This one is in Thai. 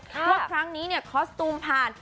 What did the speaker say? ว่าครั้งนี้เนี่ยคอสตูมผ่าน